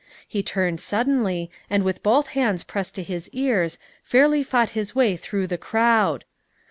He turned suddenly, and, with both hands pressed to his ears, fairly fought his way through the crowd.